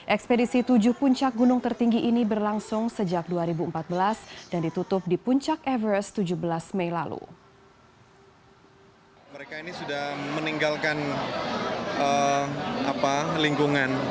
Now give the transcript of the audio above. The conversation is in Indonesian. ekspedisi tujuh puncak gunung tertinggi ini berlangsung sejak dua ribu empat belas dan ditutup di puncak everest tujuh belas mei lalu